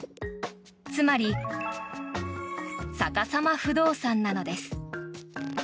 つまりさかさま不動産なのです。